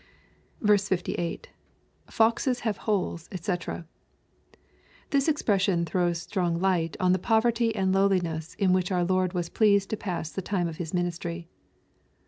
i 68. — [Fcxes have TiohSy <fcc] This expression throws strong light on the poverty and lowliness in which our Lord was pleased to pass the time of His ministry.